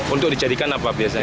untuk dijadikan apa biasanya